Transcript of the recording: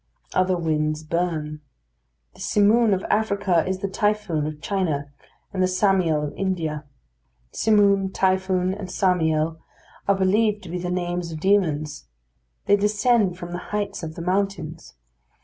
Other winds burn. The simoon of Africa is the typhoon of China and the samiel of India. Simoon, typhoon, and samiel, are believed to be the names of demons. They descend from the heights of the mountains.